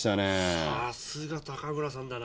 さすが高村さんだな。